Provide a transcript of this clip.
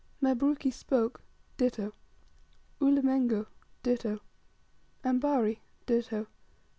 4. Mabruki Spoke, ditto. 5. Ulimengo, ditto 6. Ambari, ditto.